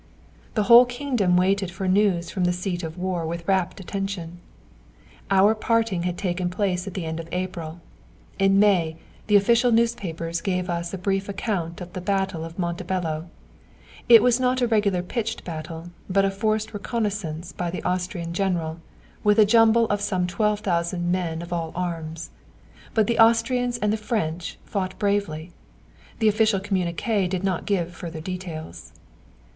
The whole kingdom waited for news from the seat of war with rapt attention. Our parting had taken place at the end of April. In May, the official newspapers gave us a brief account of the battle of Montebello. It was not a regular pitched battle, but a forced reconnaissance by the Austrian general with a jumble of some 12,000 men of all arms. Both the Austrians and the French fought bravely. The official communiqué did not give further details.